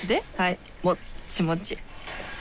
もっちもち